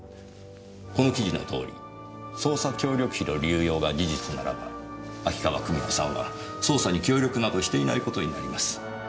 この記事のとおり捜査協力費の流用が事実ならば秋川久美子さんは捜査に協力などしていない事になります。